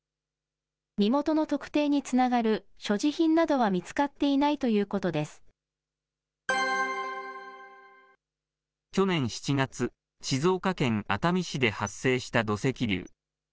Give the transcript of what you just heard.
身元の特定につながる所持品などは見つかっていないということで去年７月、静岡県熱海市で発生した土石流。